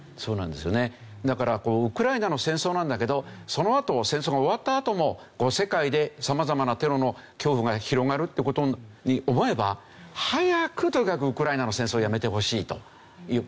だからウクライナの戦争なんだけどそのあと戦争が終わったあとも世界で様々なテロの恐怖が広がるって事を思えば早くとにかくウクライナの戦争をやめてほしいという。